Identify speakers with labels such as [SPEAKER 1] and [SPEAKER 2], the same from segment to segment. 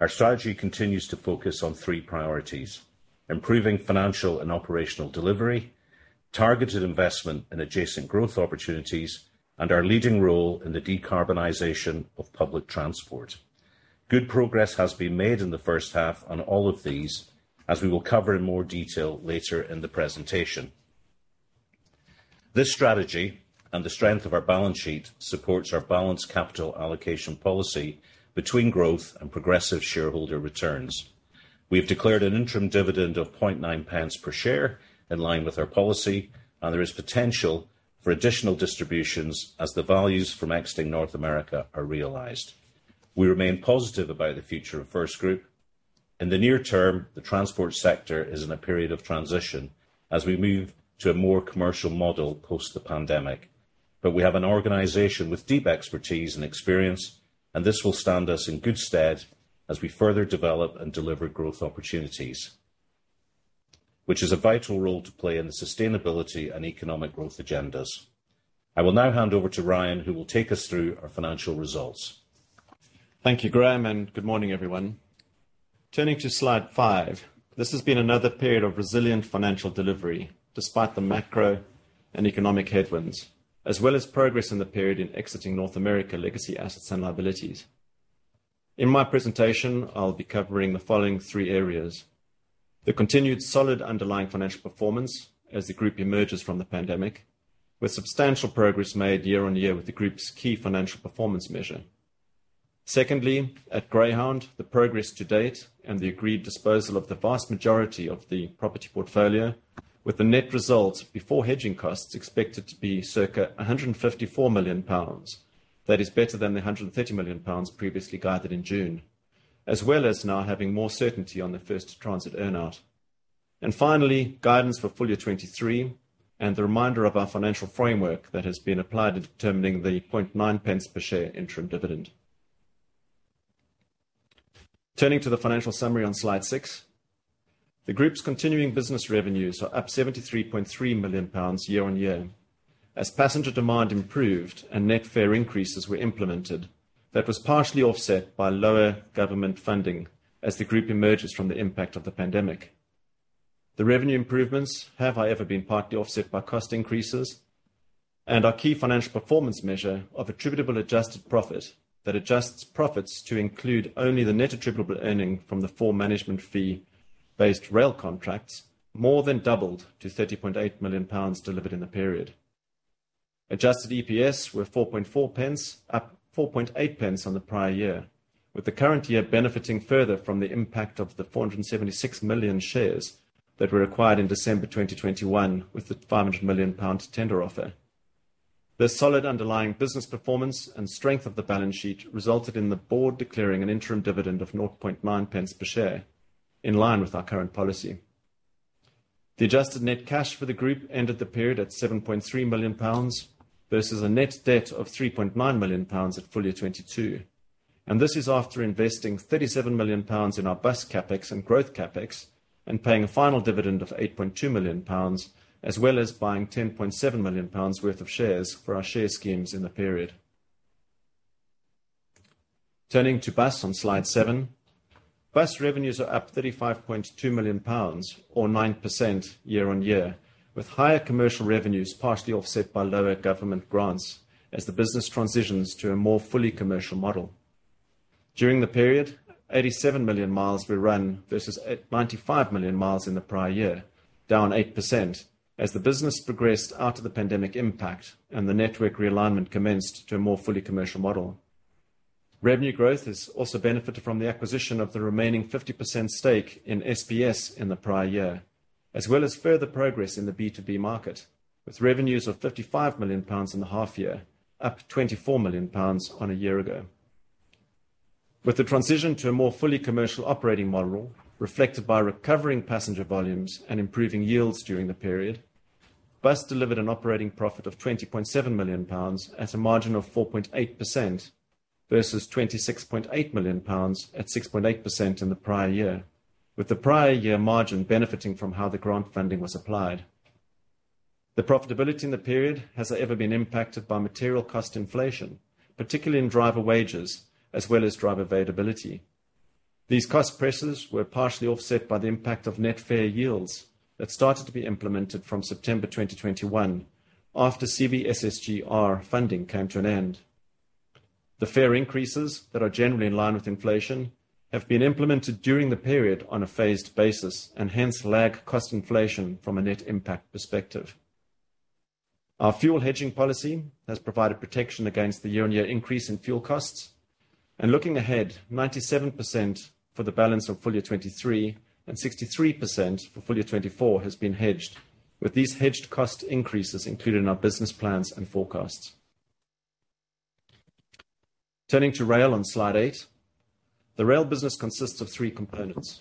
[SPEAKER 1] Our strategy continues to focus on three priorities, improving financial and operational delivery, targeted investment in adjacent growth opportunities, and our leading role in the decarbonization of public transport. Good progress has been made in the 1st half on all of these, as we will cover in more detail later in the presentation. This strategy and the strength of our balance sheet supports our balanced capital allocation policy between growth and progressive shareholder returns. We have declared an interim dividend of 0.009 per share in line with our policy, and there is potential for additional distributions as the values from exiting North America are realized. We remain positive about the future of FirstGroup. In the near term, the transport sector is in a period of transition as we move to a more commercial model post the pandemic. We have an organization with deep expertise and experience, and this will stand us in good stead as we further develop and deliver growth opportunities, which is a vital role to play in the sustainability and economic growth agendas. I will now hand over to Ryan, who will take us through our financial results.
[SPEAKER 2] Thank you, Graham, and good morning, everyone. Turning to slide 5. This has been another period of resilient financial delivery despite the macro and economic headwinds, as well as progress in the period in exiting North America legacy assets and liabilities. In my presentation, I'll be covering the following three areas. The continued solid underlying financial performance as the group emerges from the pandemic, with substantial progress made year-on-year with the group's key financial performance measure. Secondly, at Greyhound, the progress to date and the agreed disposal of the vast majority of the property portfolio, with the net result before hedging costs expected to be circa 154 million pounds. That is better than the 130 million pounds previously guided in June. As well as now having more certainty on the First Transit earn out. Finally, guidance for full year 2023, and the reminder of our financial framework that has been applied in determining the 0.009 per share interim dividend. Turning to the financial summary on slide 6. The group's continuing business revenues are up 73.3 million pounds year-on-year. As passenger demand improved and net fare increases were implemented, that was partially offset by lower government funding as the group emerges from the impact of the pandemic. The revenue improvements have, however, been partly offset by cost increases and our key financial performance measure of attributable adjusted profit that adjusts profits to include only the net attributable earnings from the full management fee-based rail contracts, more than doubled to 30.8 million pounds delivered in the period. Adjusted EPS were 0.044, up 0.048 on the prior year, with the current year benefiting further from the impact of the 476 million shares that were acquired in December 2021 with the 500 million pounds tender offer. The solid underlying business performance and strength of the balance sheet resulted in the board declaring an interim dividend of 0.009 per share in line with our current policy. The adjusted net cash for the group ended the period at 7.3 million pounds versus a net debt of 3.9 million pounds at full year 2022, and this is after investing 37 million pounds in our bus CapEx and growth CapEx, and paying a final dividend of 8.2 million pounds, as well as buying 10.7 million pounds worth of shares for our share schemes in the period. Turning to Bus on slide 7. Bus revenues are up 35.2 million pounds or 9% year-on-year, with higher commercial revenues partially offset by lower government grants as the business transitions to a more fully commercial model. During the period, 87 million miles were run versus 95 million miles in the prior year, down 8% as the business progressed out of the pandemic impact and the network realignment commenced to a more fully commercial model. Revenue growth has also benefited from the acquisition of the remaining 50% stake in SPS in the prior year, as well as further progress in the B2B market with revenues of 55 million pounds in the half year, up 24 million pounds on a year ago. With the transition to a more fully commercial operating model reflected by recovering passenger volumes and improving yields during the period, Bus delivered an operating profit of 20.7 million pounds at a margin of 4.8% versus 26.8 million pounds at 6.8% in the prior year, with the prior year margin benefiting from how the grant funding was applied. The profitability in the period has ever been impacted by material cost inflation, particularly in driver wages as well as driver availability. These cost pressures were partially offset by the impact of net fare yields that started to be implemented from September 2021 after CBSSG funding came to an end. The fare increases that are generally in line with inflation have been implemented during the period on a phased basis and hence lag cost inflation from a net impact perspective. Our fuel hedging policy has provided protection against the year-on-year increase in fuel costs. Looking ahead, 97% for the balance of full year 2023 and 63% for full year 2024 has been hedged. With these hedged cost increases included in our business plans and forecasts. Turning to rail on slide 8. The rail business consists of three components.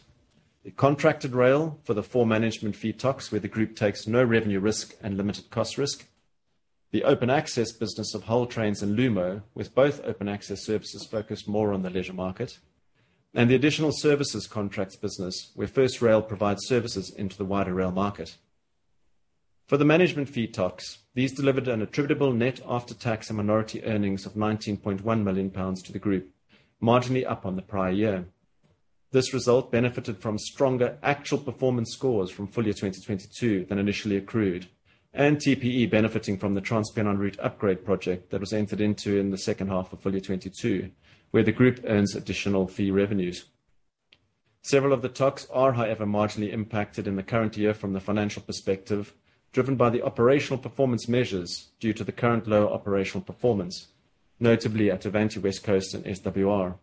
[SPEAKER 2] The contracted rail for the four management fee TOCs where the group takes no revenue risk and limited cost risk. The open access business of Hull Trains and Lumo, with both open access services focused more on the leisure market. The additional services contracts business, where First Rail provides services into the wider rail market. For the management fee TOCs, these delivered an attributable net after tax and minority earnings of 19.1 million pounds to the group, marginally up on the prior year. This result benefited from stronger actual performance scores from full year 2022 than initially accrued, and TPE benefiting from the TransPennine Route Upgrade that was entered into in the 2nd half of full year 2022, where the group earns additional fee revenues. Several of the TOCs are, however, marginally impacted in the current year from the financial perspective, driven by the operational performance measures due to the current lower operational performance, notably at Avanti West Coast and SWR.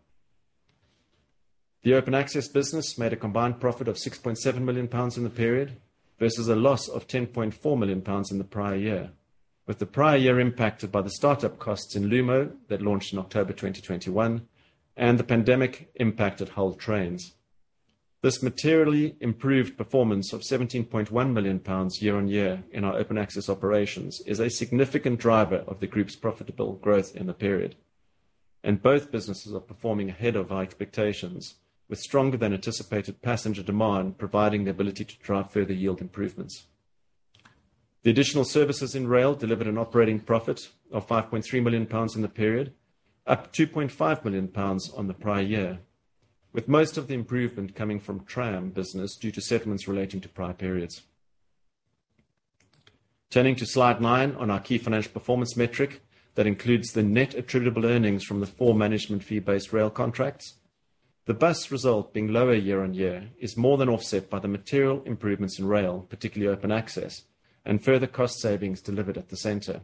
[SPEAKER 2] The open access business made a combined profit of 6.7 million pounds in the period, versus a loss of 10.4 million pounds in the prior year, with the prior year impacted by the start-up costs in Lumo that launched in October 2021 and the pandemic impact at Hull Trains. This materially improved performance of 17.1 million pounds year-on-year in our open access operations is a significant driver of the group's profitable growth in the period. Both businesses are performing ahead of our expectations, with stronger than anticipated passenger demand providing the ability to drive further yield improvements. The additional services in rail delivered an operating profit of 5.3 million pounds in the period, up 2.5 million pounds on the prior year, with most of the improvement coming from Tram business due to settlements relating to prior periods. Turning to slide 9 on our key financial performance metric that includes the net attributable earnings from the four management fee-based rail contracts. The bus result being lower year-on-year is more than offset by the material improvements in rail, particularly open access and further cost savings delivered at the center.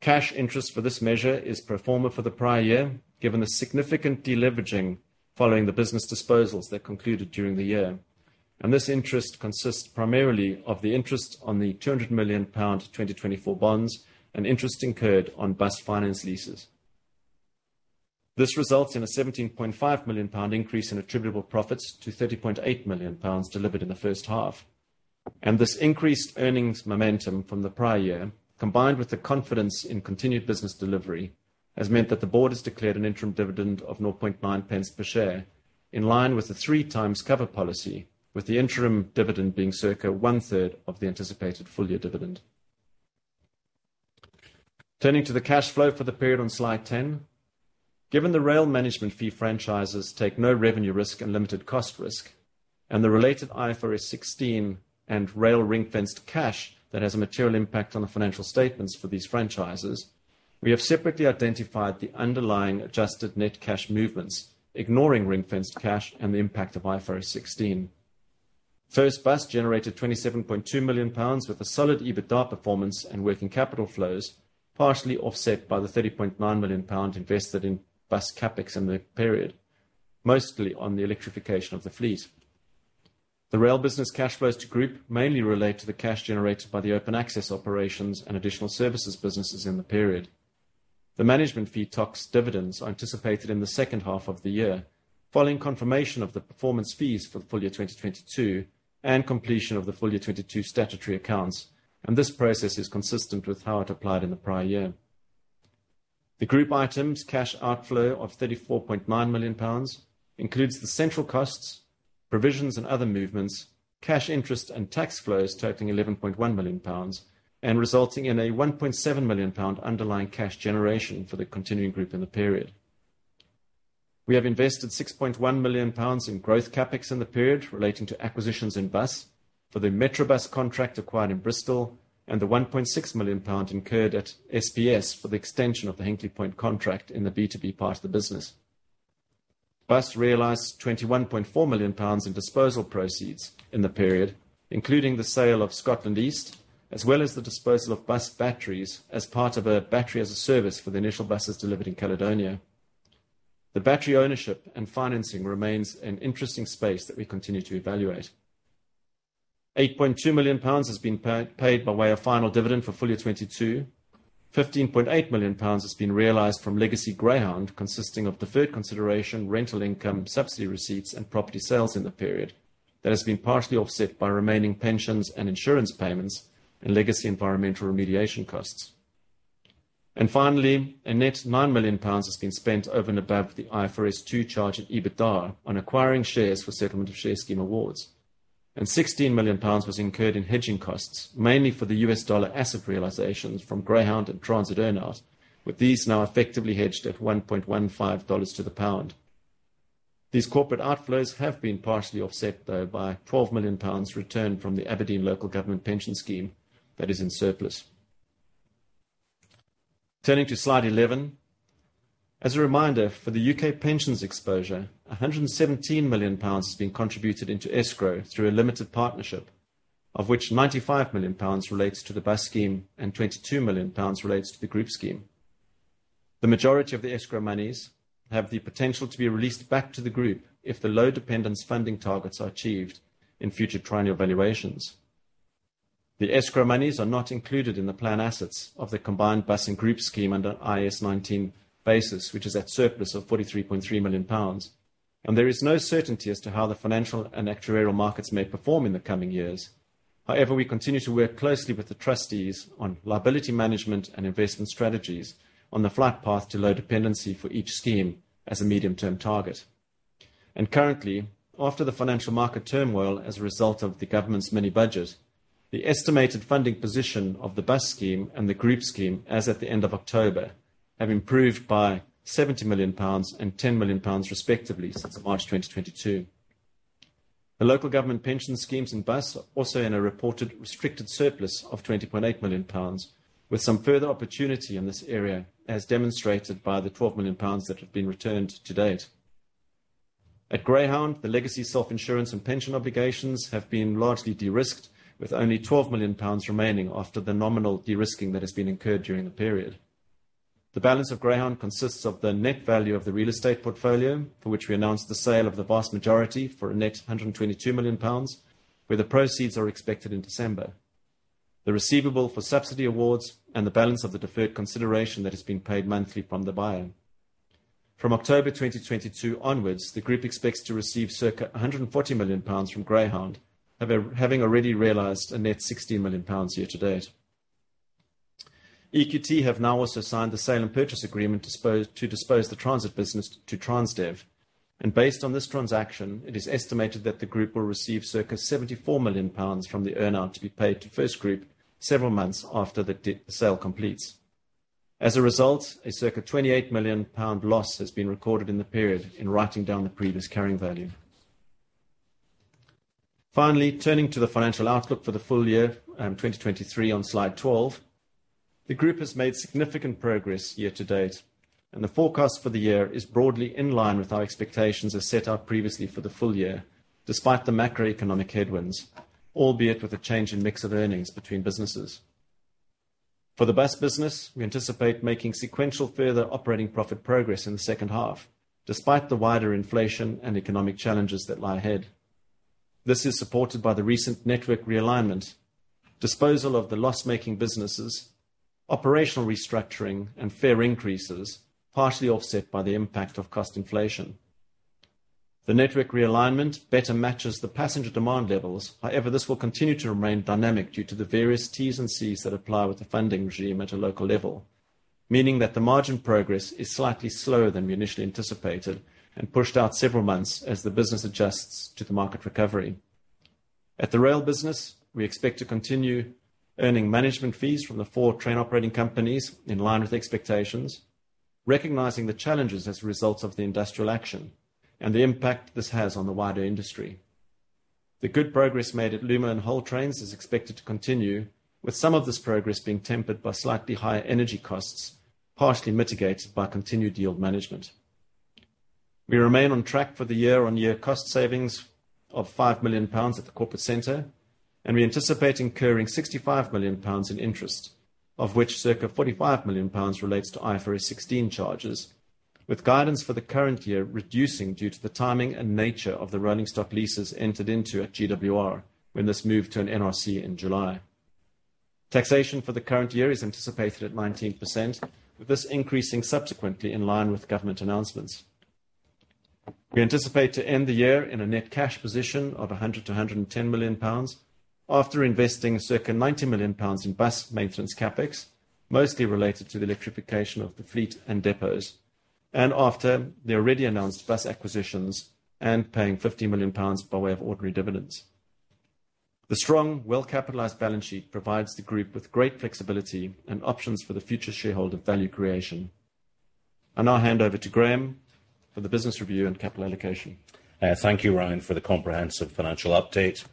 [SPEAKER 2] Cash interest for this measure is pro forma for the prior year, given the significant deleveraging following the business disposals that concluded during the year. This interest consists primarily of the interest on the 200 million pound 2024 bonds and interest incurred on bus finance leases. This results in a 17.5 million pound increase in attributable profits to 30.8 million pounds delivered in the 1st half. This increased earnings momentum from the prior year, combined with the confidence in continued business delivery, has meant that the board has declared an interim dividend of 0.009 per share, in line with the 3x cover policy, with the interim dividend being circa 1/3 of the anticipated full year dividend. Turning to the cash flow for the period on slide 10. Given the rail management fee franchises take no revenue risk and limited cost risk, and the related IFRS 16 and rail ring-fenced cash that has a material impact on the financial statements for these franchises, we have separately identified the underlying adjusted net cash movements, ignoring ring-fenced cash and the impact of IFRS 16. First Bus generated 27.2 million pounds with a solid EBITDA performance and working capital flows, partially offset by the 30.9 million pound invested in bus CapEx in the period, mostly on the electrification of the fleet. The rail business cash flows to group mainly relate to the cash generated by the open access operations and additional services businesses in the period. The management fee TOCs dividends are anticipated in the 2nd half of the year, following confirmation of the performance fees for full year 2022 and completion of the full year 2022 statutory accounts, and this process is consistent with how it applied in the prior year. The group items cash outflow of 34.9 million pounds includes the central costs, provisions and other movements, cash interest and tax flows totaling 11.1 million pounds and resulting in a 1.7 million pound underlying cash generation for the continuing group in the period. We have invested 6.1 million pounds in growth CapEx in the period relating to acquisitions in Bus for the MetroBus contract acquired in Bristol and the 1.6 million pound incurred at SPS for the extension of the Hinkley Point contract in the B2B part of the business. Bus realized 21.4 million pounds in disposal proceeds in the period, including the sale of First Scotland East, as well as the disposal of bus batteries as part of a Battery as a Service for the initial buses delivered in Caledonia. The battery ownership and financing remains an interesting space that we continue to evaluate. 8.2 million pounds has been paid by way of final dividend for full year 2022. 15.8 million pounds has been realized from legacy Greyhound, consisting of deferred consideration, rental income, subsidy receipts and property sales in the period that has been partially offset by remaining pensions and insurance payments and legacy environmental remediation costs. Finally, a net 9 million pounds has been spent over and above the IFRS 2 charge at EBITDA on acquiring shares for settlement of share scheme awards. Sixteen million pounds was incurred in hedging costs, mainly for the U.S. dollar asset realizations from Greyhound and Transit earn out, with these now effectively hedged at $1.15 to the pound. These corporate outflows have been partially offset by 12 million pounds returned from the Aberdeen Local Government Pension Scheme that is in surplus. Turning to slide 11. As a reminder, for the U.K. pensions exposure, 117 million pounds is being contributed into escrow through a limited partnership, of which 95 million pounds relates to the Bus scheme and 22 million pounds relates to the Group scheme. The majority of the escrow monies have the potential to be released back to the group if the low discount funding targets are achieved in future triennial valuations. The escrow monies are not included in the plan assets of the combined Bus and Group scheme under IAS 19 basis, which is at surplus of 43.3 million pounds. There is no certainty as to how the financial and actuarial markets may perform in the coming years. However, we continue to work closely with the trustees on liability management and investment strategies on the flight path to low dependency for each scheme as a medium-term target. Currently, after the financial market turmoil as a result of the government's mini budget, the estimated funding position of the bus scheme and the group scheme as at the end of October, have improved by 70 million pounds and 10 million pounds respectively since March 2022. The local government pension schemes and bus are also in a reported restricted surplus of 20.8 million pounds, with some further opportunity in this area, as demonstrated by the 12 million pounds that have been returned to date. At Greyhound, the legacy self-insurance and pension obligations have been largely de-risked, with only 12 million pounds remaining after the nominal de-risking that has been incurred during the period. The balance of Greyhound consists of the net value of the real estate portfolio, for which we announced the sale of the vast majority for a net 122 million pounds, where the proceeds are expected in December. The receivable for subsidy awards and the balance of the deferred consideration that has been paid monthly from the buyer. From October 2022 onwards, the group expects to receive circa GBP 140 million from Greyhound. Having already realized a net GBP 60 million year-to-date. EQT have now also signed the sale and purchase agreement to dispose the transit business to Transdev, and based on this transaction, it is estimated that the group will receive circa 74 million pounds from the earn-out to be paid to FirstGroup several months after the sale completes. As a result, a circa 28 million pound loss has been recorded in the period in writing down the previous carrying value. Finally, turning to the financial outlook for the full year, 2023 on slide 12. The group has made significant progress year-to-date, and the forecast for the year is broadly in line with our expectations as set out previously for the full year, despite the macroeconomic headwinds, albeit with a change in mix of earnings between businesses. For the bus business, we anticipate making sequential further operating profit progress in the 2nd half, despite the wider inflation and economic challenges that lie ahead. This is supported by the recent network realignment, disposal of the loss-making businesses, operational restructuring and fare increases, partially offset by the impact of cost inflation. The network realignment better matches the passenger demand levels. However, this will continue to remain dynamic due to the various Ts and Cs that apply with the funding regime at a local level. Meaning that the margin progress is slightly slower than we initially anticipated and pushed out several months as the business adjusts to the market recovery. At the rail business, we expect to continue earning management fees from the four train operating companies in line with expectations, recognizing the challenges as a result of the industrial action and the impact this has on the wider industry. The good progress made at Lumo and Hull Trains is expected to continue, with some of this progress being tempered by slightly higher energy costs, partially mitigated by continued yield management. We remain on track for the year-on-year cost savings of 5 million pounds at the corporate center, and we anticipate incurring 65 million pounds in interest, of which circa 45 million pounds relates to IFRS 16 charges, with guidance for the current year reducing due to the timing and nature of the rolling stock leases entered into at GWR when this moved to an NRC in July. Taxation for the current year is anticipated at 19%, with this increasing subsequently in line with government announcements. We anticipate to end the year in a net cash position of 100 million-110 million pounds after investing circa 90 million pounds in bus maintenance CapEx, mostly related to the electrification of the fleet and depots, and after the already announced bus acquisitions and paying 50 million pounds by way of ordinary dividends. The strong, well-capitalized balance sheet provides the group with great flexibility and options for the future shareholder value creation. I now hand over to Graham for the business review and capital allocation.
[SPEAKER 1] Thank you, Ryan, for the comprehensive financial update.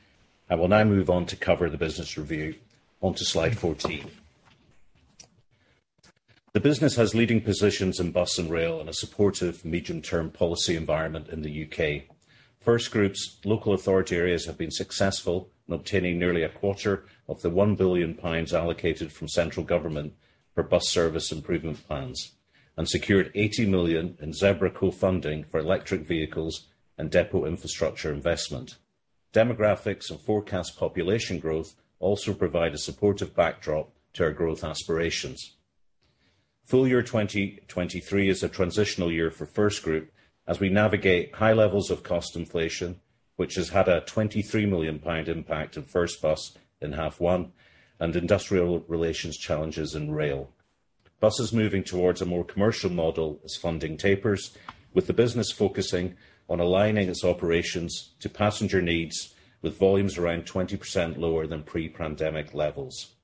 [SPEAKER 1] I will now move on to cover the business review. On to slide 14. The business has leading positions in bus and rail in a supportive medium-term policy environment in the U.K. FirstGroup's local authority areas have been successful in obtaining nearly a quarter of the 1 billion pounds allocated from central government for Bus Service Improvement Plans, and secured 80 million in ZEBRA co-funding for electric vehicles and depot infrastructure investment. Demographics and forecast population growth also provide a supportive backdrop to our growth aspirations. Full year 2023 is a transitional year for FirstGroup as we navigate high levels of cost inflation, which has had a 23 million pound impact on First Bus in half one and industrial relations challenges in rail. Bus is moving towards a more commercial model as funding tapers, with the business focusing on aligning its operations to passenger needs with volumes around 20% lower than pre-pandemic levels.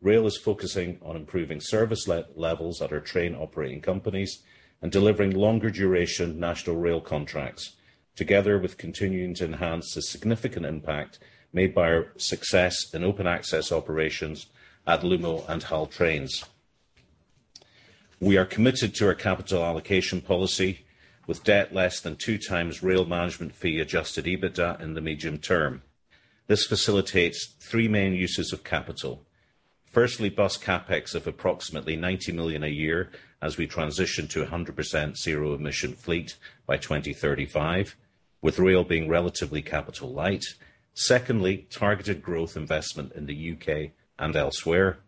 [SPEAKER 1] Rail is focusing on improving service levels at our train operating companies and delivering longer duration National Rail Contracts, together with continuing to enhance the significant impact made by our success in open access operations at Lumo and Hull Trains. We are committed to our capital allocation policy with debt less than 2x rail management-fee-adjusted EBITDA in the medium term. This facilitates three main uses of capital. Firstly, bus CapEx of approximately 90 million a year as we transition to a 100% zero-emission fleet by 2035, with rail being relatively capital-light. Secondly, targeted growth investment in the U.K. and elsewhere.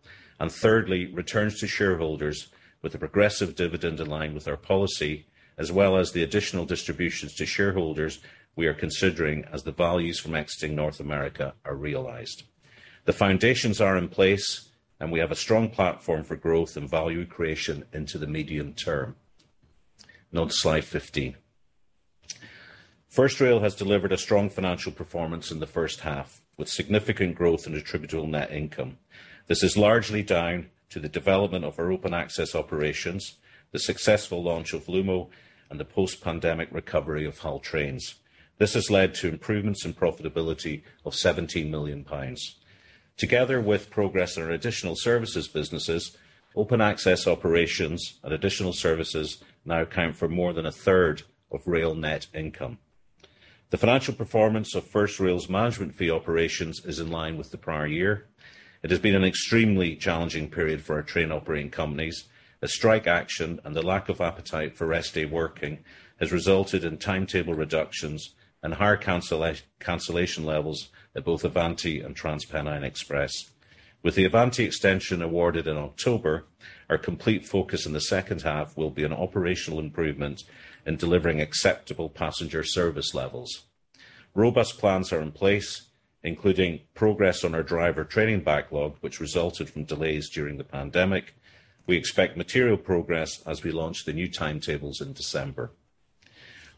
[SPEAKER 1] Thirdly, returns to shareholders with a progressive dividend in line with our policy, as well as the additional distributions to shareholders we are considering as the values from exiting North America are realized. The foundations are in place, and we have a strong platform for growth and value creation into the medium term. On to slide 15. First Rail has delivered a strong financial performance in the 1st half, with significant growth in attributable net income. This is largely down to the development of our open access operations, the successful launch of Lumo, and the post-pandemic recovery of Hull Trains. This has led to improvements in profitability of 17 million pounds. Together with progress in our additional services businesses, open access operations and additional services now account for more than a third of rail net income. The financial performance of First Rail's management fee operations is in line with the prior year. It has been an extremely challenging period for our train operating companies. The strike action and the lack of appetite for rest day working has resulted in timetable reductions and higher cancellation levels at both Avanti and TransPennine Express. With the Avanti extension awarded in October, our complete focus in the 2nd half will be on operational improvement in delivering acceptable passenger service levels. Robust plans are in place, including progress on our driver training backlog, which resulted from delays during the pandemic. We expect material progress as we launch the new timetables in December.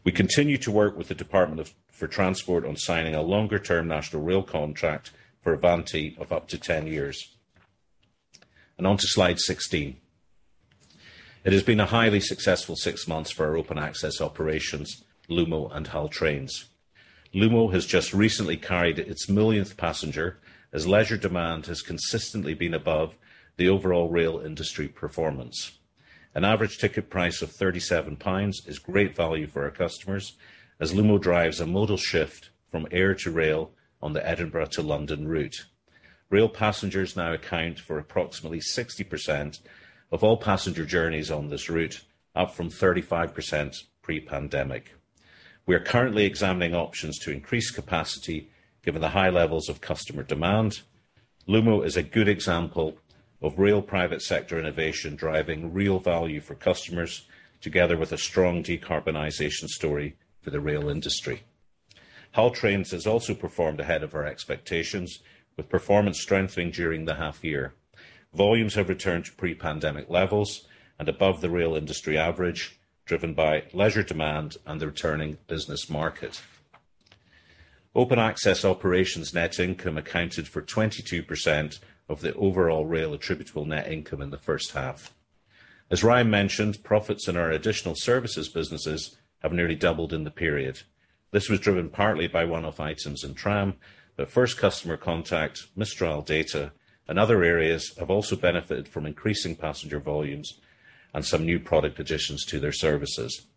[SPEAKER 1] We continue to work with the Department for Transport on signing a longer-term national rail contract for Avanti of up to 10 years. On to slide 16. It has been a highly successful six months for our open access operations, Lumo and Hull Trains. Lumo has just recently carried its millionth passenger, as leisure demand has consistently been above the overall rail industry performance. An average ticket price of 37 is great value for our customers, as Lumo drives a modal shift from air to rail on the Edinburgh to London route. Rail passengers now account for approximately 60% of all passenger journeys on this route, up from 35% pre-pandemic. We are currently examining options to increase capacity given the high levels of customer demand. Lumo is a good example of rail private sector innovation driving real value for customers, together with a strong decarbonization story for the rail industry. Hull Trains has also performed ahead of our expectations, with performance strengthening during the half year. Volumes have returned to pre-pandemic levels and above the rail industry average, driven by leisure demand and the returning business market. Open access operations net income accounted for 22% of the overall rail attributable net income in the 1st half. As Ryan mentioned, profits in our additional services businesses have nearly doubled in the period. This was driven partly by one-off items in Tram, but First Customer Contact, Mistral Data, and other areas have also benefited from increasing passenger volumes and some new product additions to their services.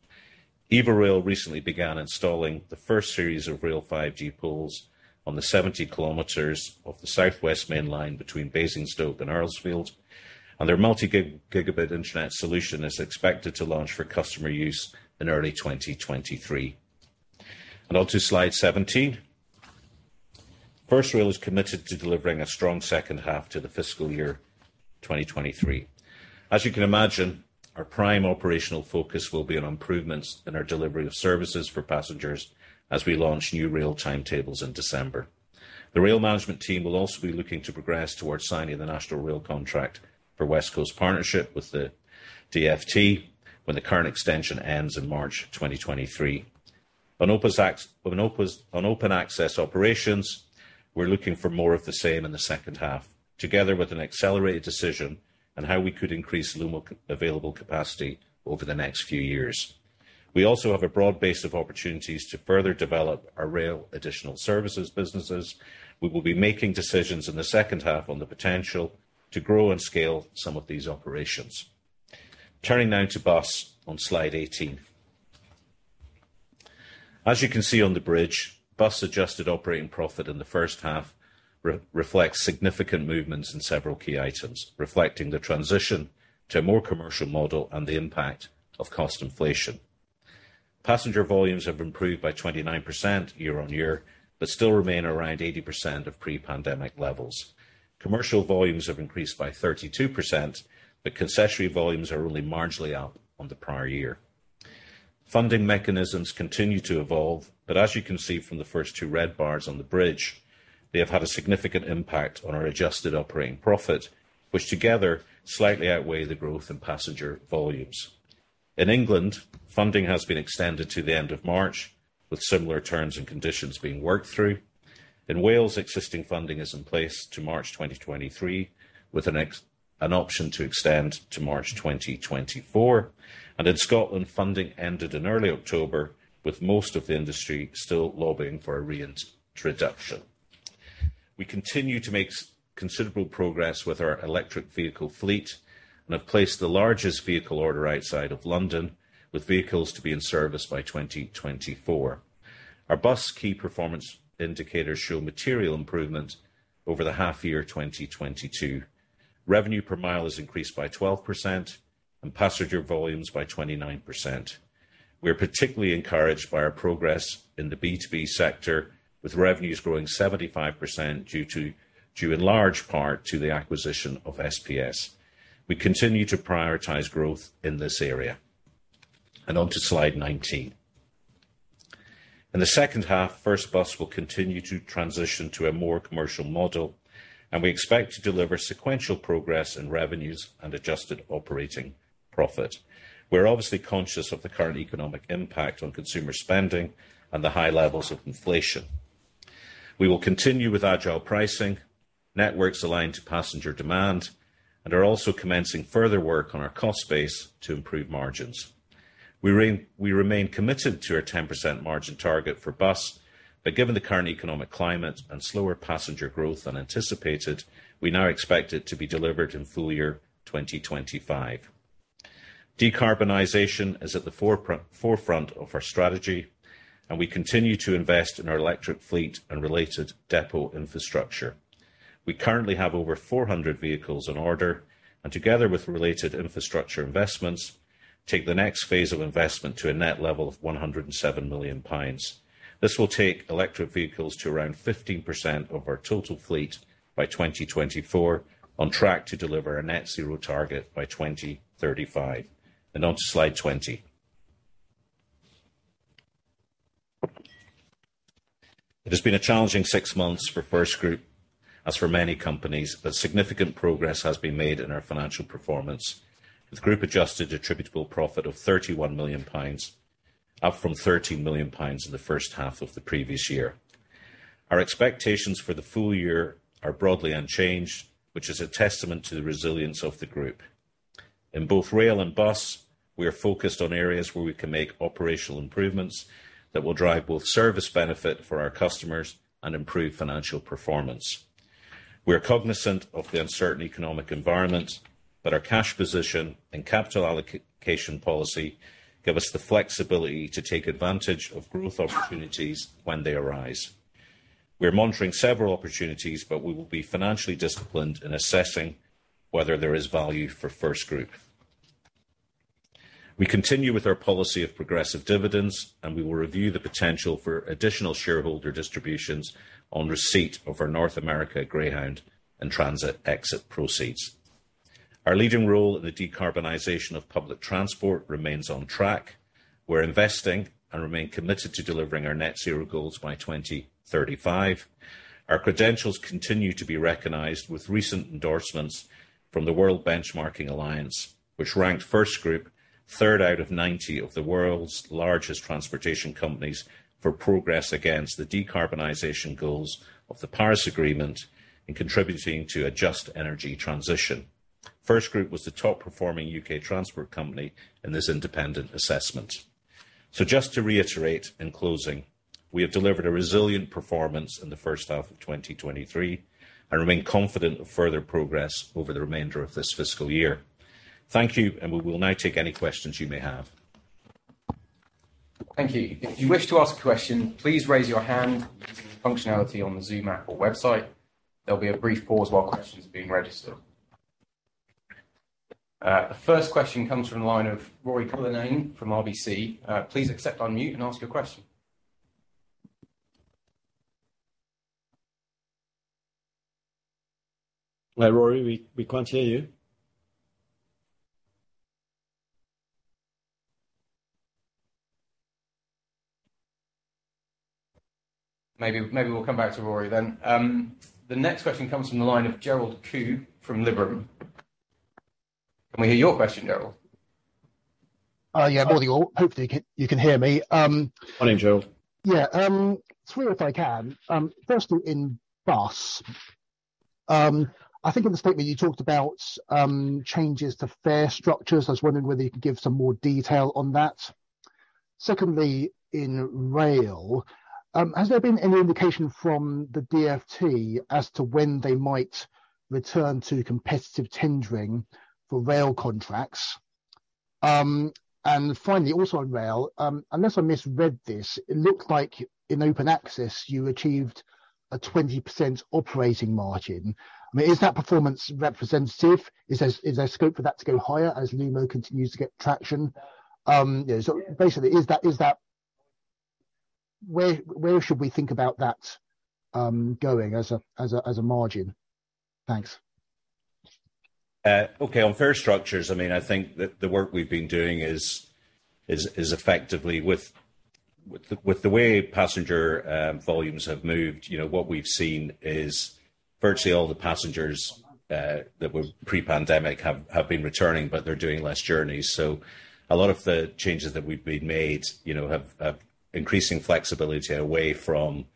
[SPEAKER 1] Evo-rail recently began installing the first series of rail-5G poles on the 70 km of the South West Main Line between Basingstoke and Earlsfield, and their multi-gigabit internet solution is expected to launch for customer use in early 2023. On to slide 17. First Rail is committed to delivering a strong 2nd half to the fiscal year 2023. As you can imagine, our prime operational focus will be on improvements in our delivery of services for passengers as we launch new rail timetables in December. The rail management team will also be looking to progress towards signing the National Rail Contract for West Coast Partnership with the DfT when the current extension ends in March 2023. On open access operations, we're looking for more of the same in the 2nd half, together with an accelerated decision on how we could increase Lumo's available capacity over the next few years. We also have a broad base of opportunities to further develop our rail additional services businesses. We will be making decisions in the 2nd half on the potential to grow and scale some of these operations. Turning now to bus on slide 18. As you can see on the bridge, bus adjusted operating profit in the 1st half reflects significant movements in several key items, reflecting the transition to a more commercial model and the impact of cost inflation. Passenger volumes have improved by 29% year-on-year, but still remain around 80% of pre-pandemic levels. Commercial volumes have increased by 32%, but concessionary volumes are only marginally up on the prior year. Funding mechanisms continue to evolve, but as you can see from the first two red bars on the bridge, they have had a significant impact on our adjusted operating profit, which together slightly outweigh the growth in passenger volumes. In England, funding has been extended to the end of March, with similar terms and conditions being worked through. In Wales, existing funding is in place to March 2023, with an option to extend to March 2024. In Scotland, funding ended in early October, with most of the industry still lobbying for a reintroduction. We continue to make considerable progress with our electric vehicle fleet and have placed the largest vehicle order outside of London, with vehicles to be in service by 2024. Our bus key performance indicators show material improvement over the half year 2022. Revenue per mile has increased by 12% and passenger volumes by 29%. We are particularly encouraged by our progress in the B2B sector, with revenues growing 75% due to, due in large part to the acquisition of SPS. We continue to prioritize growth in this area. On to slide 19. In the 2nd half, First Bus will continue to transition to a more commercial model, and we expect to deliver sequential progress in revenues and adjusted operating profit. We're obviously conscious of the current economic impact on consumer spending and the high levels of inflation. We will continue with agile pricing, networks aligned to passenger demand, and are also commencing further work on our cost base to improve margins. We remain committed to our 10% margin target for Bus, but given the current economic climate and slower passenger growth than anticipated, we now expect it to be delivered in full year 2025. Decarbonization is at the forefront of our strategy, and we continue to invest in our electric fleet and related depot infrastructure. We currently have over 400 vehicles on order, and together with related infrastructure investments, take the next phase of investment to a net level of 107 million. This will take electric vehicles to around 15% of our total fleet by 2024, on track to deliver a net zero target by 2035. On to slide 20. It has been a challenging six months for FirstGroup, as for many companies, but significant progress has been made in our financial performance, with Group adjusted attributable profit of 31 million pounds, up from 13 million pounds in the 1st half of the previous year. Our expectations for the full year are broadly unchanged, which is a testament to the resilience of the group. In both Rail and Bus, we are focused on areas where we can make operational improvements that will drive both service benefit for our customers and improve financial performance. We are cognizant of the uncertain economic environment, but our cash position and capital allocation policy give us the flexibility to take advantage of growth opportunities when they arise. We are monitoring several opportunities, but we will be financially disciplined in assessing whether there is value for FirstGroup. We continue with our policy of progressive dividends, and we will review the potential for additional shareholder distributions on receipt of our North American Greyhound and Transit exit proceeds. Our leading role in the decarbonization of public transport remains on track. We're investing and remain committed to delivering our net zero goals by 2035. Our credentials continue to be recognized with recent endorsements from the World Benchmarking Alliance, which ranked FirstGroup third out of 90 of the world's largest transportation companies for progress against the decarbonization goals of the Paris Agreement in contributing to a just energy transition. FirstGroup was the top performing U.K. transport company in this independent assessment. Just to reiterate, in closing, we have delivered a resilient performance in the 1st half of 2023 and remain confident of further progress over the remainder of this fiscal year. Thank you, and we will now take any questions you may have.
[SPEAKER 3] Thank you. If you wish to ask a question, please raise your hand using the functionality on the Zoom app or website. There'll be a brief pause while question's being registered. The first question comes from the line of Rory Cullinan from RBC. Please unmute and ask your question. Hi, Rory. We can't hear you. Maybe we'll come back to Rory then. The next question comes from the line of Gerald Khoo from Liberum. Can we hear your question, Gerald?
[SPEAKER 4] Yeah. Morning to you all. Hopefully you can hear me.
[SPEAKER 1] Morning, Gerald.
[SPEAKER 4] Yeah. Three if I can. First in Bus. I think in the statement you talked about changes to fare structures. I was wondering whether you could give some more detail on that. Secondly, in Rail, has there been any indication from the DfT as to when they might return to competitive tendering for rail contracts? And finally, also on Rail, unless I misread this, it looked like in open access you achieved a 20% operating margin. I mean, is that performance representative? Is there scope for that to go higher as Lumo continues to get traction? Basically, is that... Where should we think about that going as a margin? Thanks.
[SPEAKER 1] Okay. On fare structures, I mean, I think the work we've been doing is effectively with the way passenger volumes have moved, you know, what we've seen is virtually all the passengers that were pre-pandemic have been returning, but they're doing less journeys. A lot of the changes that we've made, you know, have increasing flexibility away from,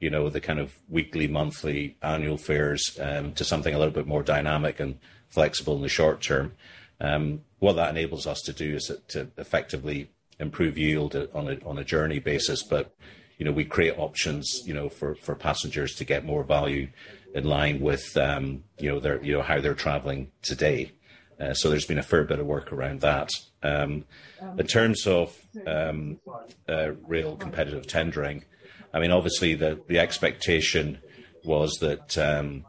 [SPEAKER 1] you know, the kind of weekly, monthly, annual fares to something a little bit more dynamic and flexible in the short term. What that enables us to do is to effectively improve yield on a journey basis. You know, we create options, you know, for passengers to get more value in line with, you know, their, you know, how they're traveling today. There's been a fair bit of work around that. In terms of rail competitive tendering, I mean obviously the expectation was that,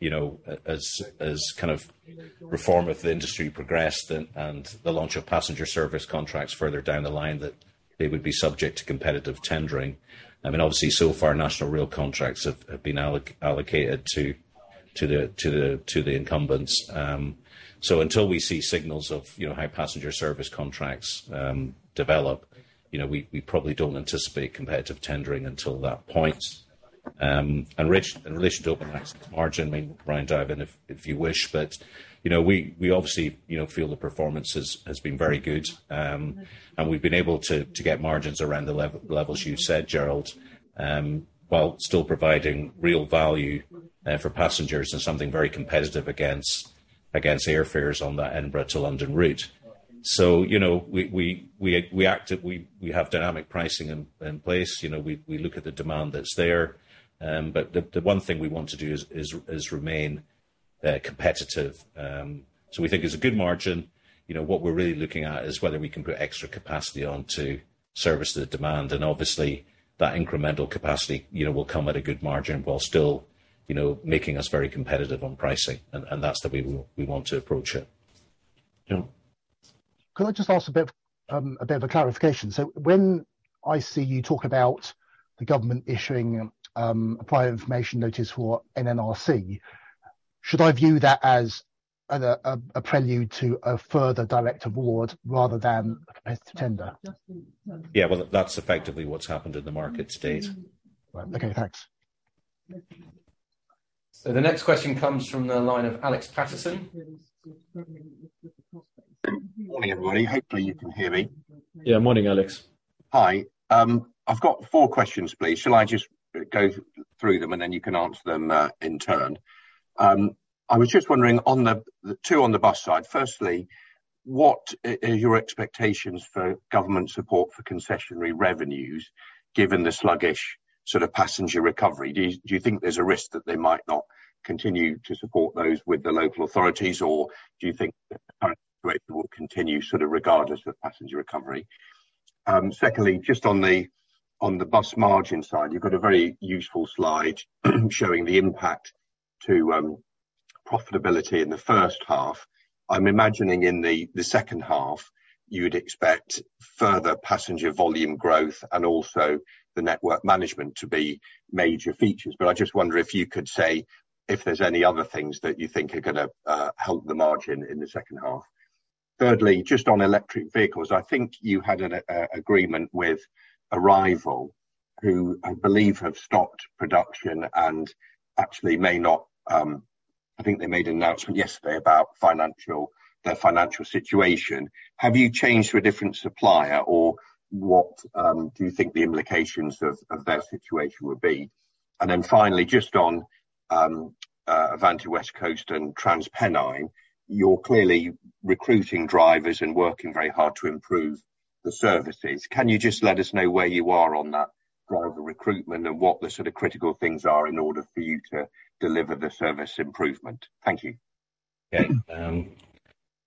[SPEAKER 1] you know, as kind of reform of the industry progressed and the launch of Passenger Service Contracts further down the line, that they would be subject to competitive tendering. I mean obviously so far, National Rail Contracts have been allocated to the incumbents. Until we see signals of, you know, how Passenger Service Contracts develop, you know, we probably don't anticipate competitive tendering until that point. In relation to open access margin, I mean, Ryan dive in if you wish. But you know, we obviously, you know, feel the performance has been very good. We've been able to get margins around the levels you set, Gerald, while still providing real value for passengers and something very competitive against airfares on that Edinburgh to London route. You know, we have dynamic pricing in place. You know, we look at the demand that's there. The one thing we want to do is remain competitive. We think it's a good margin. You know, what we're really looking at is whether we can put extra capacity on to service the demand. And obviously that incremental capacity, you know, will come at a good margin while still, you know, making us very competitive on pricing. And that's the way we want to approach it.
[SPEAKER 2] Yeah.
[SPEAKER 4] Could I just ask a bit of a clarification? When I see you talk about the government issuing a Prior Information Notice for NRC, should I view that as a prelude to a further direct award rather than a competitive tender?
[SPEAKER 1] Yeah. Well, that's effectively what's happened in the market to date.
[SPEAKER 4] Okay, thanks.
[SPEAKER 3] The next question comes from the line of Alex Paterson.
[SPEAKER 5] Morning, everybody. Hopefully, you can hear me.
[SPEAKER 1] Yeah. Morning, Alex.
[SPEAKER 5] Hi. I've got four questions, please. Shall I just go through them, and then you can answer them in turn? I was just wondering on the two on the bus side. Firstly, what are your expectations for government support for concessionary revenues given the sluggish sort of passenger recovery? Do you think there's a risk that they might not continue to support those with the local authorities, or do you think the current rate will continue sort of regardless of passenger recovery? Secondly, just on the bus margin side, you've got a very useful slide showing the impact to profitability in the 1st half. I'm imagining in the 2nd half you would expect further passenger volume growth and also the network management to be major features. I just wonder if you could say if there's any other things that you think are gonna help the margin in the 2nd half. Thirdly, just on electric vehicles. I think you had an agreement with Arrival, who I believe have stopped production and actually may not. I think they made an announcement yesterday about their financial situation. Have you changed to a different supplier or what do you think the implications of that situation would be? Finally, just on Avanti West Coast and TransPennine Express, you're clearly recruiting drivers and working very hard to improve the services. Can you just let us know where you are on that driver recruitment and what the sort of critical things are in order for you to deliver the service improvement? Thank you.
[SPEAKER 1] Okay.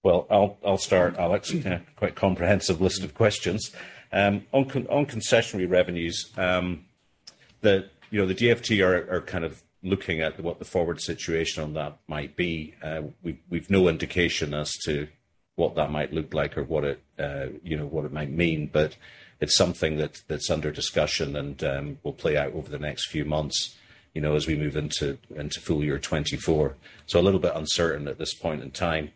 [SPEAKER 1] Well, I'll start, Alex. Quite comprehensive list of questions. On concessionary revenues, you know, the DfT are kind of looking at what the forward situation on that might be. We've no indication as to what that might look like or what it, you know, what it might mean, but it's something that's under discussion and will play out over the next few months, you know, as we move into full year 2024. So a little bit uncertain at this point in time.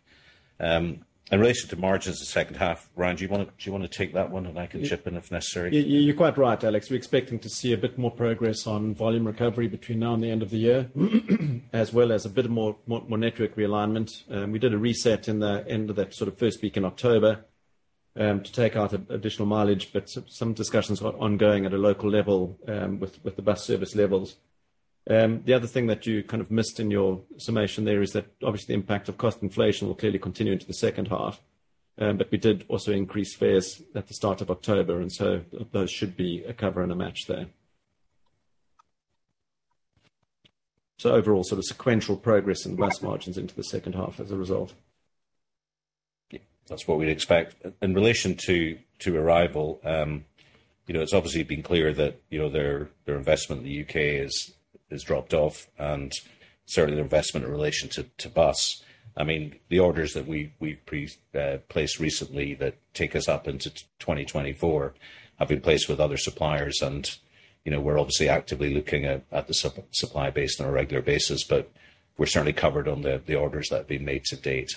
[SPEAKER 1] In relation to margins the 2nd half, Ryan, do you wanna take that one and I can chip in if necessary?
[SPEAKER 2] You're quite right, Alex. We're expecting to see a bit more progress on volume recovery between now and the end of the year, as well as a bit more network realignment. We did a reset in the end of that sort of first week in October to take out additional mileage, but some discussions are ongoing at a local level with the bus service levels. The other thing that you kind of missed in your summation there is that obviously the impact of cost inflation will clearly continue into the 2nd half. But we did also increase fares at the start of October, and so those should be to cover and match there. Overall sort of sequential progress in bus margins into the 2nd half as a result.
[SPEAKER 1] Yeah, that's what we'd expect. In relation to Arrival, you know, it's obviously been clear that, you know, their investment in the U.K. has dropped off and certainly their investment in relation to bus. I mean, the orders that we've placed recently that take us up into 2024 have been placed with other suppliers and, you know, we're obviously actively looking at the supply base on a regular basis, but we're certainly covered on the orders that have been made to date.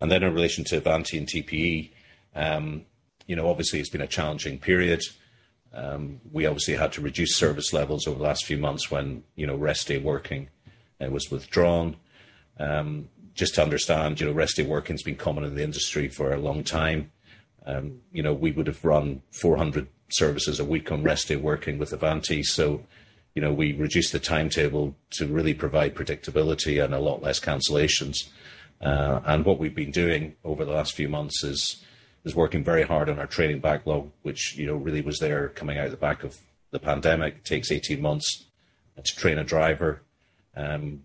[SPEAKER 1] In relation to Avanti and TPE, you know, obviously it's been a challenging period. We obviously had to reduce service levels over the last few months when, you know, rest day working was withdrawn. Just to understand, you know, rest day working's been common in the industry for a long time. You know, we would have run 400 services a week on rest day working with Avanti, so, you know, we reduced the timetable to really provide predictability and a lot less cancellations. What we've been doing over the last few months is working very hard on our training backlog, which, you know, really was there coming out of the back of the pandemic. Takes 18 months to train a driver.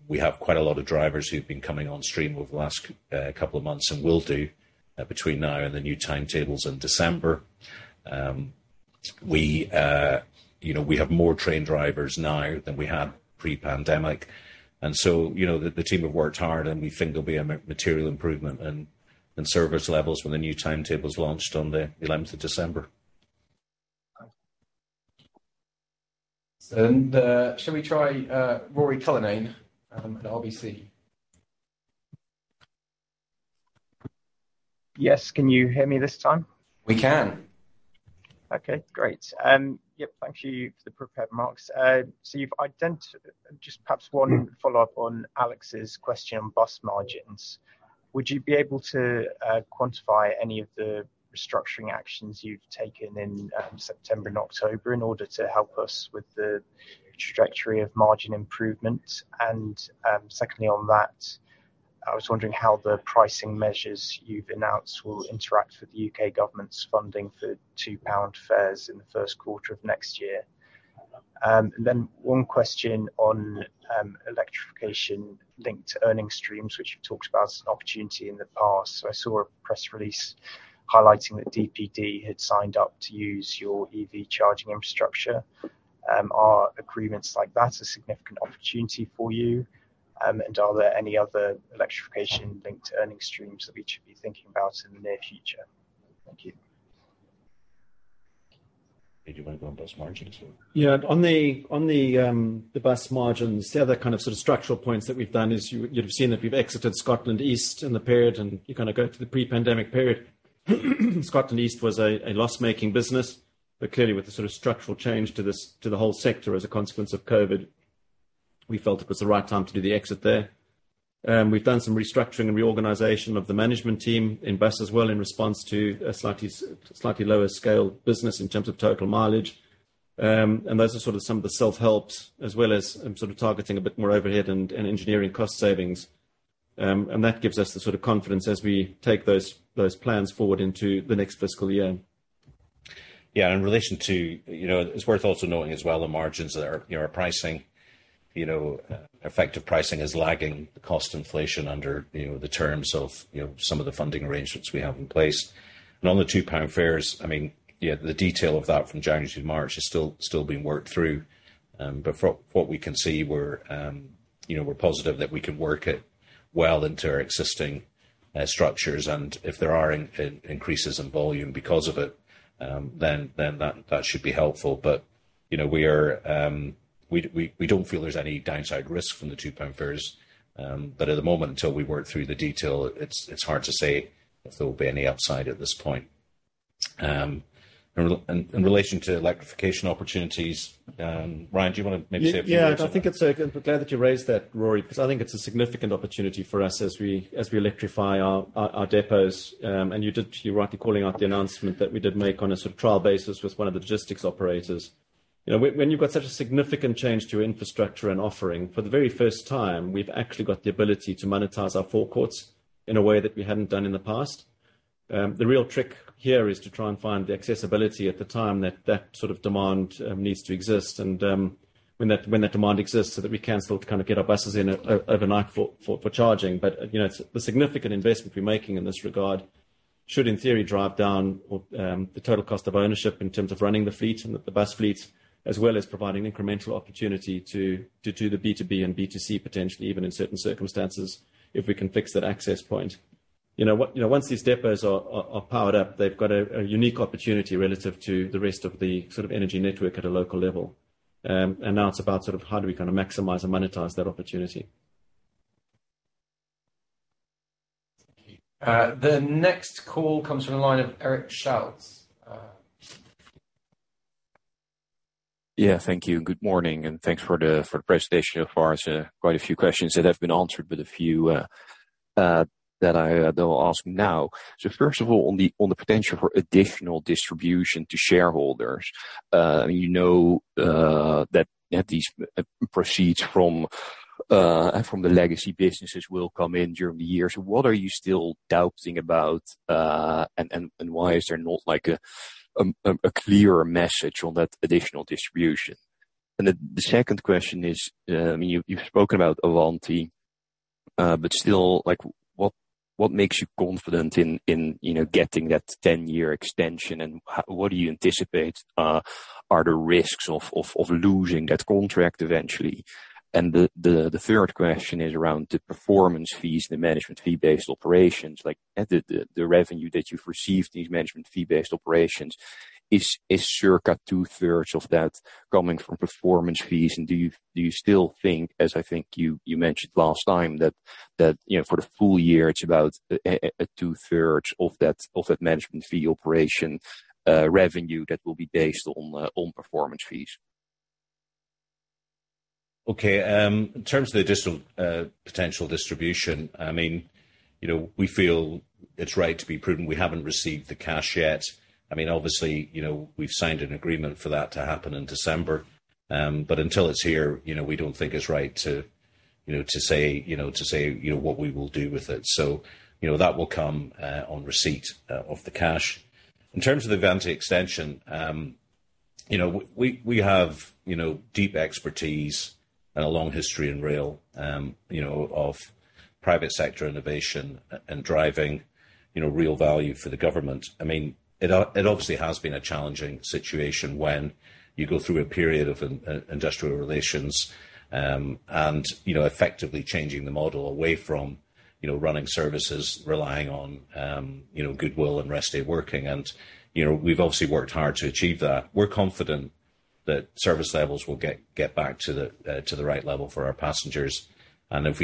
[SPEAKER 1] We have quite a lot of drivers who've been coming on stream over the last couple of months and will do between now and the new timetables in December. You know, we have more trained drivers now than we had pre-pandemic. The team have worked hard, and we think there'll be a material improvement in service levels when the new timetables launched on the eleventh of December.
[SPEAKER 3] Shall we try Rory Cullinan at RBC?
[SPEAKER 6] Yes. Can you hear me this time?
[SPEAKER 1] We can.
[SPEAKER 6] Okay, great. Yep. Thank you for the prepared remarks. Just perhaps one follow-up on Alex's question on bus margins. Would you be able to quantify any of the restructuring actions you've taken in September and October in order to help us with the trajectory of margin improvement? Secondly, on that, I was wondering how the pricing measures you've announced will interact with the U.K. government's funding for 2 pound fares in the 1st quarter of next year. Then one question on electrification linked to earning streams, which you've talked about as an opportunity in the past. I saw a press release highlighting that DPD had signed up to use your EV charging infrastructure. Are agreements like that a significant opportunity for you, and are there any other electrification-linked earning streams that we should be thinking about in the near future? Thank you.
[SPEAKER 1] Ryan, do you wanna go on bus margins or?
[SPEAKER 2] Yeah. On the bus margins, the other kind of sort of structural points that we've done is you'd have seen that we've exited First Scotland East in the period, and you kind of go to the pre-pandemic period. First Scotland East was a loss-making business, but clearly with the sort of structural change to this, to the whole sector as a consequence of COVID, we felt it was the right time to do the exit there. We've done some restructuring and reorganization of the management team in Bus as well in response to a slightly lower scale business in terms of total mileage. Those are sort of some of the self-helps as well as sort of targeting a bit more overhead and engineering cost savings. That gives us the sort of confidence as we take those plans forward into the next fiscal year.
[SPEAKER 1] Yeah. In relation to. You know, it's worth also knowing as well the margins that are, you know, our pricing, you know, effective pricing is lagging the cost inflation under, you know, the terms of, you know, some of the funding arrangements we have in place. On the 2 pound fares, I mean, yeah, the detail of that from January to March is still being worked through. From what we can see, we're, you know, we're positive that we can work it well into our existing structures, and if there are increases in volume because of it, then that should be helpful. You know, we are, we don't feel there's any downside risk from the 2 pound fares. At the moment, until we work through the detail, it's hard to say if there will be any upside at this point. In relation to electrification opportunities, Ryan, do you wanna maybe say a few words about that?
[SPEAKER 2] Yeah. I think it's glad that you raised that, Rory, 'cause I think it's a significant opportunity for us as we electrify our depots. You're rightly calling out the announcement that we did make on a sort of trial basis with one of the logistics operators. You know, when you've got such a significant change to infrastructure and offering, for the very first time, we've actually got the ability to monetize our forecourts in a way that we hadn't done in the past. The real trick here is to try and find the accessibility at the time that sort of demand needs to exist and, when that demand exists so that we can still kind of get our buses in overnight for charging. You know, the significant investment we're making in this regard should in theory drive down or the total cost of ownership in terms of running the fleet and the bus fleets as well as providing incremental opportunity to do the B2B and B2C potentially even in certain circumstances if we can fix that access point. You know, once these depots are powered up, they've got a unique opportunity relative to the rest of the sort of energy network at a local level. Now it's about sort of how do we kinda maximize and monetize that opportunity.
[SPEAKER 6] Thank you.
[SPEAKER 3] The next call comes from the line of Erik Schatz.
[SPEAKER 7] Yeah. Thank you. Good morning, and thanks for the presentation so far. There's quite a few questions that have been answered, but a few that I'll ask now. First of all, on the potential for additional distribution to shareholders, you know that these proceeds from the legacy businesses will come in during the year. What are you still doubting about, and why is there not like a clearer message on that additional distribution? The second question is, you've spoken about Avanti, but still like what makes you confident in you know getting that 10-year extension, and what do you anticipate are the risks of losing that contract eventually? The third question is around the performance fees, the management fee-based operations. Like the revenue that you've received, these management fee-based operations, is circa 2/3 of that coming from performance fees? Do you still think, as I think you mentioned last time, that you know, for the full year it's about a 2/3 of that management fee operation, revenue that will be based on performance fees?
[SPEAKER 1] Okay. In terms of the additional, potential distribution, I mean, you know, we feel it's right to be prudent. We haven't received the cash yet. I mean, obviously, you know, we've signed an agreement for that to happen in December. Until it's here, you know, we don't think it's right to, you know, say what we will do with it. You know, that will come on receipt of the cash. In terms of the Avanti extension, you know, we have, you know, deep expertise and a long history in rail, you know, of private sector innovation and driving, you know, real value for the government. I mean, it obviously has been a challenging situation when you go through a period of industrial relations, and you know, effectively changing the model away from, you know, running services, relying on, you know, goodwill and rest day working and, you know, we've obviously worked hard to achieve that. We're confident that service levels will get back to the right level for our passengers. If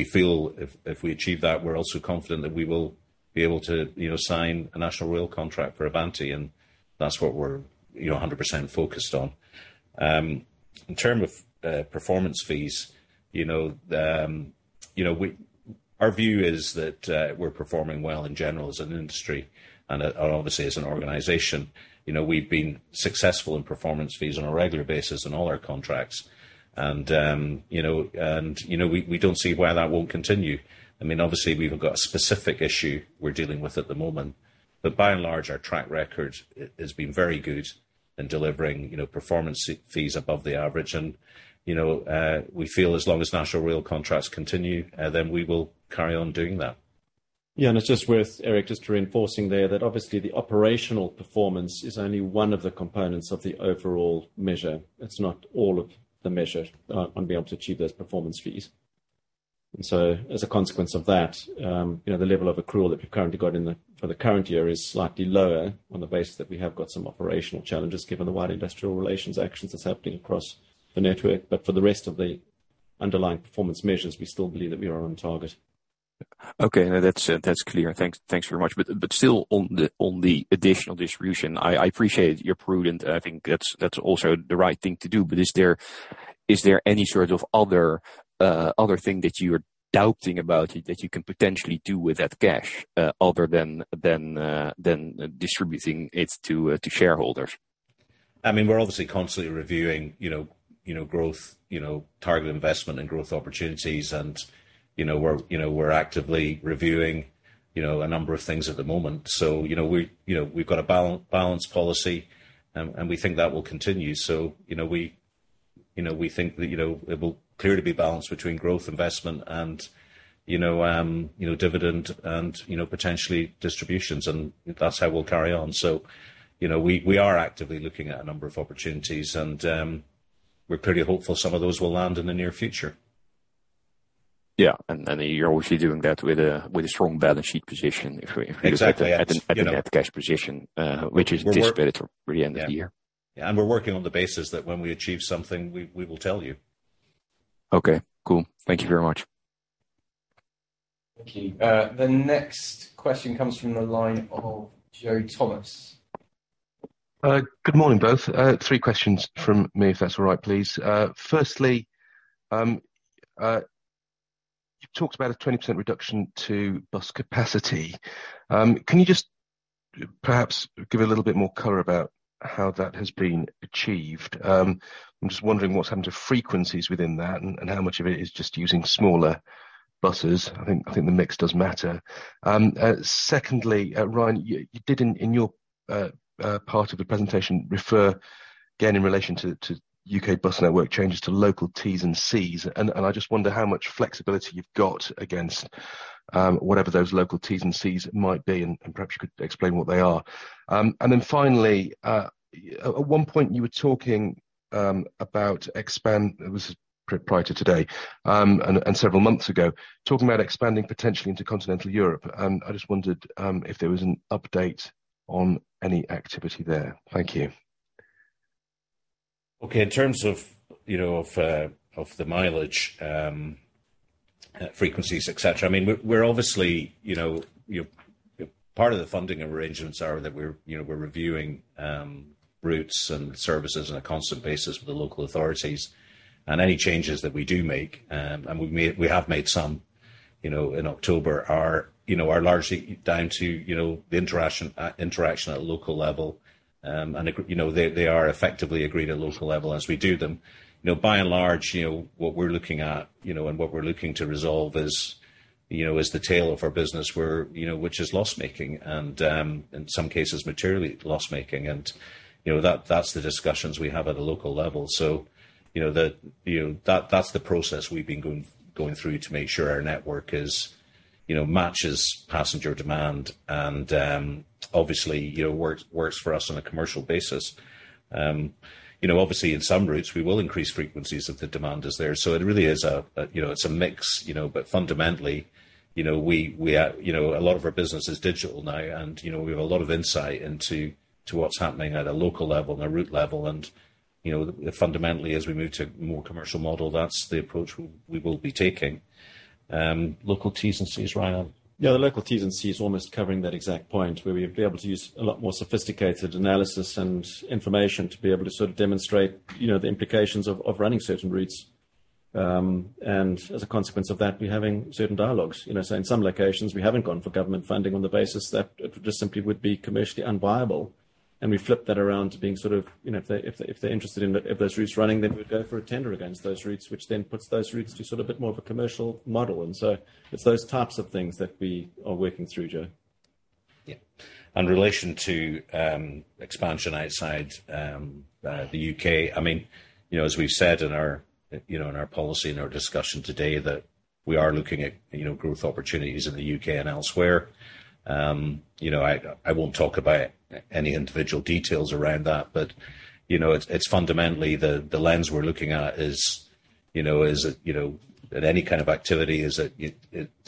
[SPEAKER 1] we achieve that, we're also confident that we will be able to, you know, sign a National Rail Contract for Avanti, and that's what we're, you know, 100% focused on. In terms of performance fees, you know, you know, our view is that we're performing well in general as an industry and obviously as an organization. You know, we've been successful in performance fees on a regular basis on all our contracts. You know, we don't see why that won't continue. I mean, obviously, we have got a specific issue we're dealing with at the moment, but by and large, our track record has been very good in delivering, you know, performance fees above the average. You know, we feel as long as National Rail Contracts continue, then we will carry on doing that.
[SPEAKER 2] Yeah, it's just worth, Eric, just reinforcing there that obviously the operational performance is only one of the components of the overall measure. It's not all of the measure on being able to achieve those performance fees. As a consequence of that, you know, the level of accrual that we've currently got in the for the current year is slightly lower on the basis that we have got some operational challenges, given the wide industrial relations actions that's happening across the network. For the rest of the underlying performance measures, we still believe that we are on target.
[SPEAKER 7] Okay. No, that's clear. Thanks very much. Still on the additional distribution, I appreciate you're prudent. I think that's also the right thing to do. Is there any sort of other thing that you're thinking about that you can potentially do with that cash, other than distributing it to shareholders?
[SPEAKER 1] I mean, we're obviously constantly reviewing, you know, growth, you know, target investment and growth opportunities. You know, we're actively reviewing, you know, a number of things at the moment. You know, we've got a balance policy and we think that will continue. You know, we think that, you know, it will clearly be balanced between growth investment and, you know, dividend and, you know, potentially distributions, and that's how we'll carry on. You know, we are actively looking at a number of opportunities, and we're pretty hopeful some of those will land in the near future.
[SPEAKER 7] Yeah. You're obviously doing that with a strong balance sheet position if we look at the.
[SPEAKER 1] Exactly. Yeah.
[SPEAKER 7] At the net cash position, which is expected for the end of the year.
[SPEAKER 1] Yeah. We're working on the basis that when we achieve something, we will tell you.
[SPEAKER 7] Okay, cool. Thank you very much.
[SPEAKER 3] Thank you. The next question comes from the line of Joe Thomas.
[SPEAKER 8] Good morning, both. Three questions from me, if that's all right, please. Firstly, you talked about a 20% reduction to bus capacity. Can you just perhaps give a little bit more color about how that has been achieved? I'm just wondering what's happened to frequencies within that and how much of it is just using smaller buses. I think the mix does matter. Secondly, Ryan, you did in your part of the presentation refer again in relation to U.K. bus network changes to local Ts and Cs, and I just wonder how much flexibility you've got against whatever those local Ts and Cs might be, and perhaps you could explain what they are. Finally, at one point you were talking about expand. It was prior to today, and several months ago, talking about expanding potentially into continental Europe. I just wondered if there was an update on any activity there? Thank you.
[SPEAKER 1] Okay. In terms of the mileage, you know, frequencies, et cetera, I mean, we're obviously, you know. Part of the funding arrangements are that we're, you know, reviewing routes and services on a constant basis with the local authorities, and any changes that we do make, and we've made some, you know, in October, you know, are largely down to the interaction at a local level. You know, they are effectively agreed at local level as we do them. You know, by and large, you know, what we're looking at, you know, and what we're looking to resolve is, you know, the tail of our business where, you know, which is loss-making and, in some cases, materially loss-making. You know, that's the discussions we have at a local level. You know, that's the process we've been going through to make sure our network matches passenger demand and, obviously, you know, works for us on a commercial basis. You know, obviously, in some routes, we will increase frequencies if the demand is there. It really is a mix, you know, but fundamentally, you know, a lot of our business is digital now, and, you know, we have a lot of insight into what's happening at a local level and a route level. You know, fundamentally, as we move to more commercial model, that's the approach we will be taking. Local Ts and Cs, Ryan?
[SPEAKER 2] Yeah, the local Ts and Cs almost covering that exact point where we would be able to use a lot more sophisticated analysis and information to be able to sort of demonstrate, you know, the implications of running certain routes. As a consequence of that, we're having certain dialogues. You know, in some locations, we haven't gone for government funding on the basis that it just simply would be commercially unviable. We flip that around to being sort of, you know, if they're interested in those routes running, then we'd go for a tender against those routes, which then puts those routes to sort of a bit more of a commercial model. It's those types of things that we are working through, Joe.
[SPEAKER 1] Yeah. In relation to expansion outside the U.K., I mean, you know, as we've said in our policy and our discussion today that we are looking at, you know, growth opportunities in the U.K. and elsewhere. You know, I won't talk about any individual details around that, but, you know, it's fundamentally the lens we're looking at is, you know, does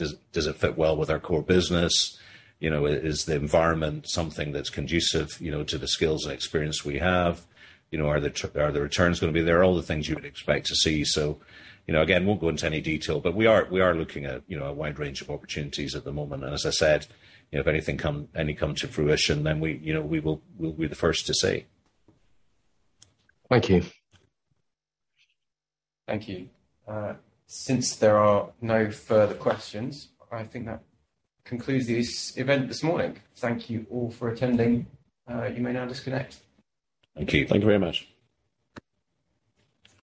[SPEAKER 1] it fit well with our core business? You know, is the environment something that's conducive, you know, to the skills and experience we have? You know, are the returns gonna be there? All the things you would expect to see. You know, again, won't go into any detail, but we are looking at, you know, a wide range of opportunities at the moment. As I said, you know, if anything comes to fruition, then we, you know, we'll be the first to say.
[SPEAKER 8] Thank you.
[SPEAKER 3] Thank you. Since there are no further questions, I think that concludes this event this morning. Thank you all for attending. You may now disconnect.
[SPEAKER 8] Thank you.
[SPEAKER 1] Thank you very much.